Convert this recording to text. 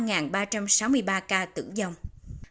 có bốn một người dân đã tiêm liều bổ sung tức là liều thứ ba